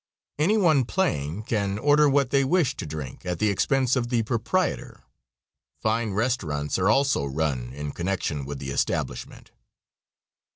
Any one playing can order what they wish to drink at the expense of the proprietor. Fine restaurants are also run in connection with the establishment.